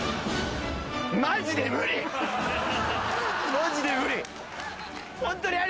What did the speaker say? マジで無理。